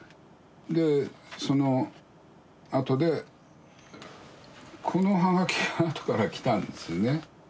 でそのあとでこの葉書があとから来たんですよね。